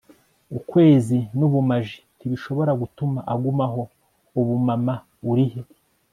ukwezi nubumaji ntibishobora gutuma agumaho, ubu mama, urihe